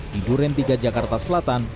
di duren tiga jakarta selatan